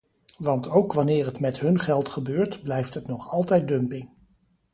Want ook wanneer het met hun geld gebeurt, blijft het nog altijd dumping.